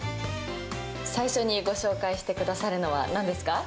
最初にご紹介してくださるのはなんですか？